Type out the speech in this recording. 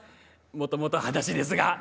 もともとはだしですが。